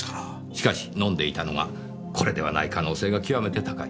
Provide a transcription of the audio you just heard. しかし飲んでいたのがこれではない可能性が極めて高い。